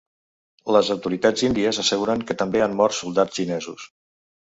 Les autoritats índies asseguren que també han mort soldats xinesos.